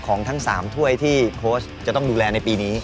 ทั้ง๓ถ้วยที่โค้ชจะต้องดูแลในปีนี้